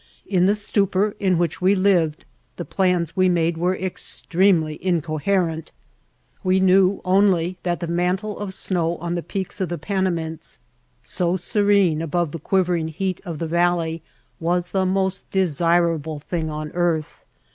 In the stupor in which we lived the plans we made were extremely incoherent. We only knew that the mantle of snow on the peaks of the Panamints, so serene above the quiv ering heat of the valley, was the most desirable The Burning Sands thing on earth.